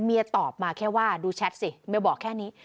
เมียตอบมาแค่ว่าดูแชทสิเมียบอกแค่นี้